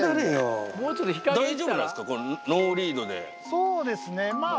そうですねまぁ。